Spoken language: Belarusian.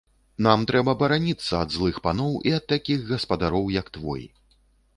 Нам трэба бараніцца ад злых паноў і ад такіх гаспадароў, як твой.